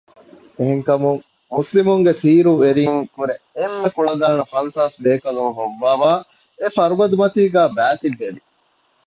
އެހެންކަމުން މުސްލިމުންގެ ތީރުވެރީންކުރެ އެންމެ ކުޅަދާނަ ފަންސާސް ބޭކަލުން ހޮއްވަވައި އެފަރުބަދަމަތީގައި ބައިތިއްބެވި